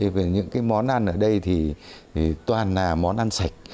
vì những cái món ăn ở đây thì toàn là món ăn sạch